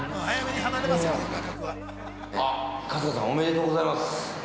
◆あ、春日さん、おめでとうございます。